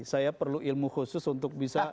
saya perlu ilmu khusus untuk bisa